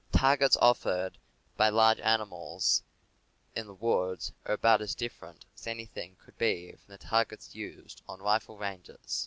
The targets offered by large animals in the woods are about as different as anything could be from the targets used on rifle ranges.